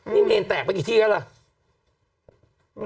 นี่เมนแตกไปกี่ที่แล้วล่ะ